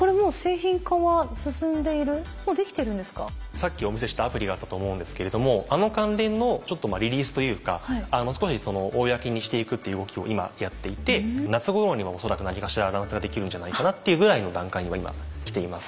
さっきお見せしたアプリがあったと思うんですけれどもあの関連のちょっとリリースというか少し公にしていくっていう動きを今やっていて夏ごろには恐らく何かしらアナウンスができるんじゃないかなっていうぐらいの段階には今きています。